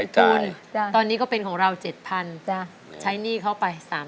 อเจมส์ตอนนี้ก็เป็นของเรา๗พันใช้นี่เข้าไป๓พัน